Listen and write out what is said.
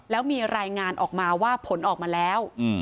แล้วมีรายงานออกมาว่าผลออกมาแล้ว